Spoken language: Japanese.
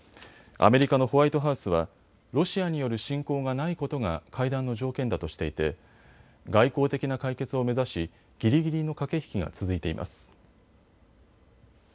アメリカのホワイトハウスはロシアによる侵攻がないことが会談の条件だとしていて外交的な解決を目指しぎりぎりの駆け引きが続いています。